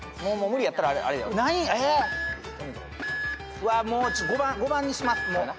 うわもう５番にします。